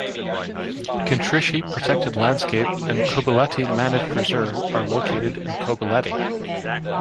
Kintrishi Protected Landscape and Kobuleti Managed Reserve are located in Kobuleti.